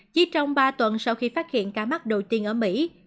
chỉ trong ba tuần sau khi phát hiện ca mắc đầu tiên ở mỹ